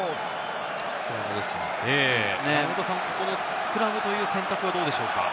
スクラムという選択はどうでしょうか。